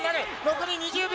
残り２０秒。